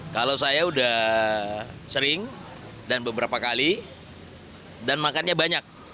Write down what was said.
kalau saya sudah sering dan beberapa kali dan makannya banyak